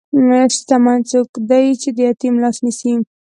شتمن څوک دی چې د یتیم لاس نیسي.